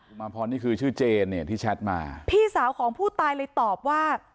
มาพรนี่คือชื่อเจนเนี่ยที่แชทมาพี่สาวของผู้ตายเลยตอบว่า